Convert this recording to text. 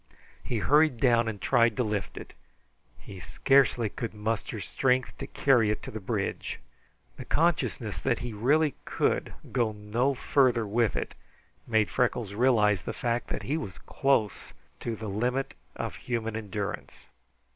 He hurried down and tried to lift it. He scarcely could muster strength to carry it to the bridge. The consciousness that he really could go no farther with it made Freckles realize the fact that he was close the limit of human endurance.